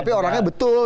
tapi orangnya betul